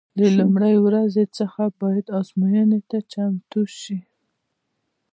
د لومړۍ ورځې څخه باید ازموینې ته چمتو شو.